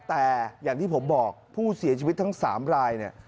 แต่อย่างที่ผมบอกผู้เสียชีวิตทั้ง๓รายเนี่ย